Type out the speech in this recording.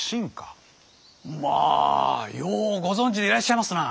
まぁようご存じでいらっしゃいますな！